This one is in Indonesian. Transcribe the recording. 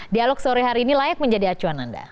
dialog sore hari ini layak menjadi acuan anda